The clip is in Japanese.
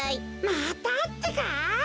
またってか？